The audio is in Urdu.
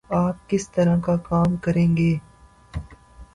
آپ کس طرح کا کام کریں گے؟